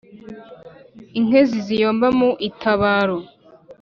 inkezi ziyomba mu itabaro.